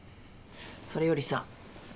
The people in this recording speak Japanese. それよりさ